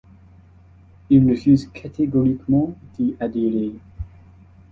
Il refuse catégoriquement d'y adhérer.